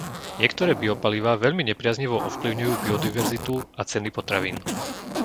Niektoré biopalivá veľmi nepriaznivo ovplyvňujú biodiverzitu a ceny potravín.